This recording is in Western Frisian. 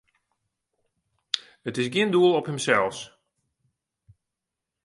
It is gjin doel op himsels.